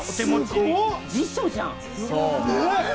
辞書じゃん！